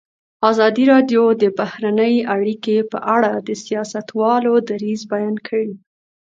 ازادي راډیو د بهرنۍ اړیکې په اړه د سیاستوالو دریځ بیان کړی.